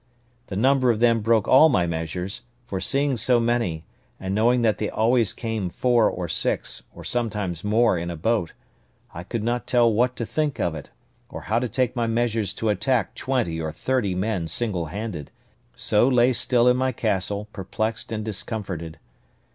The number of them broke all my measures; for seeing so many, and knowing that they always came four or six, or sometimes more in a boat, I could not tell what to think of it, or how to take my measures to attack twenty or thirty men single handed; so lay still in my castle, perplexed and discomforted.